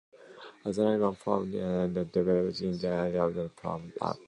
Azariadis formalized and developed the idea of poverty trap.